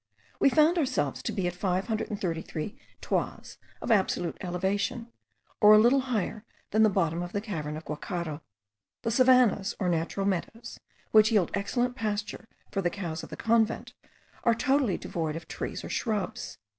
We found ourselves to be at 533 toises of absolute elevation, or a little higher than the bottom of the cavern of Guacharo. The savannahs or natural meadows, which yield excellent pasture for the cows of the convent, are totally devoid of trees or shrubs.